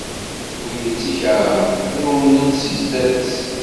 Wid i t-ikerhen, rewlen si zdat-es.